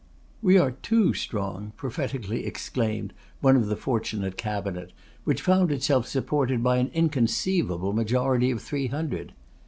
'We are too strong,' prophetically exclaimed one of the fortunate cabinet, which found itself supported by an inconceivable majority of three hundred.